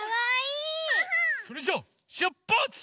それじゃあしゅっぱつ！